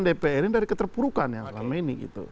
menyelamatkan dpr ini dari keterpurukan yang lama ini